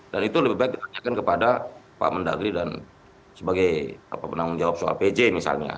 itu lebih baik ditanyakan kepada pak mendagri dan sebagai penanggung jawab soal pj misalnya